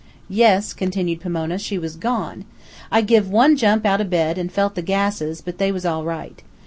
"Yes," continued Pomona, "she was gone. I give one jump out of bed and felt the gases, but they was all right.